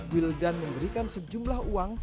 wildan memberikan sejumlah uang